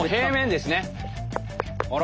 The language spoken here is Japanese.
あら？